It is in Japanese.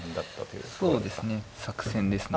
そうですね作戦ですね。